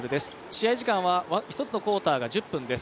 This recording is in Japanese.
試合時間は１つのクオーターが１０分です。